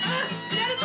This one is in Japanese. やるぞ！